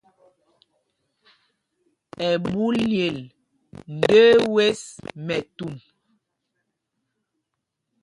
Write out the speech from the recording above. Ɛɓú lyel ndəə wes mɛtu.